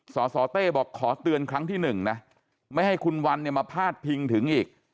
สสเต้บอกขอเตือนครั้งที่หนึ่งนะไม่ให้คุณวันเนี่ยมาพาดพิงถึงอีก